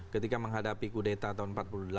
ketika menghadapi kudeta tahun empat puluh delapan